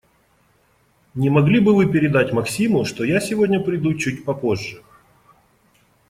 Не могли бы Вы передать Максиму, что я сегодня приду чуть попозже?